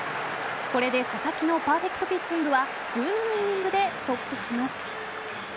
これで佐々木のパーフェクトピッチングは１７イニングでストップします。